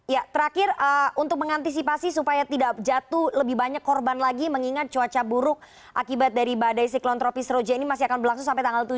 ya terakhir untuk mengantisipasi supaya tidak jatuh lebih banyak korban lagi mengingat cuaca buruk akibat dari badai siklon tropis roja ini masih akan berlangsung sampai tanggal tujuh